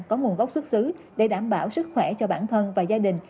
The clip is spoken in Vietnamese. có nguồn gốc xuất xứ để đảm bảo sức khỏe cho bản thân và gia đình